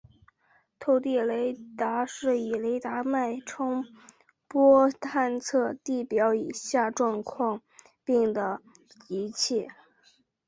透地雷达是以雷达脉冲波探测地表以下状况并的仪器。